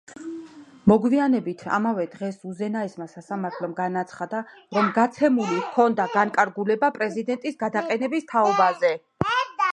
მოგვიანებით ამავე დღეს უზენაესმა სასამართლომ განაცხადა, რომ გაცემული ჰქონდა განკარგულება პრეზიდენტის გადაყენების თაობაზე.